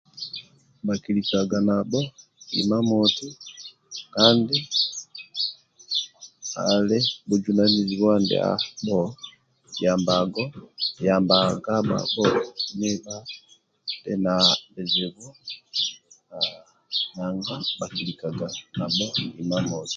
Bhakilikaga nabho imamoti kandi ali buzunanizibwa ndiabho yambako nanga bhakilikaga Imamoti